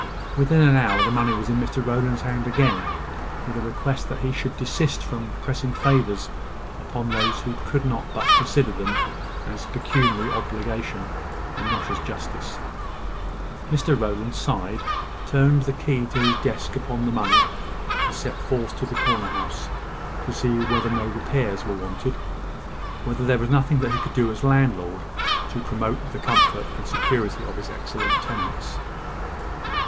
Within an hour the money was in Mr Rowland's hands again, with a request that he would desist from pressing favours upon those who could not but consider them as pecuniary obligation, and not as justice. Mr Rowland sighed, turned the key of his desk upon the money, and set forth to the corner house, to see whether no repairs were wanted whether there was nothing that he could do as landlord to promote the comfort and security of his excellent tenants.